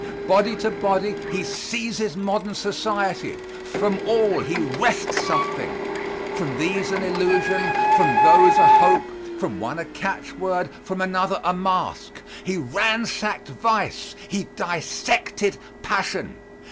Body to body he seizes modern society; from all he wrests something, from these an illusion, from those a hope; from one a catch word, from another a mask. He ransacked vice, he dissected passion.